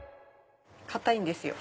硬いんですよ。